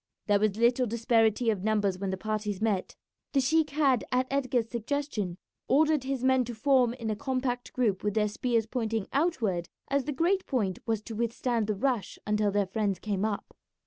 There was little disparity of numbers when the parties met. The sheik had, at Edgar's suggestion, ordered his men to form in a compact group with their spears pointing outward, as the great point was to withstand the rush until their friends came up.